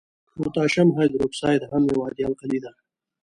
پوتاشیم هایدروکساید هم یو عادي القلي ده.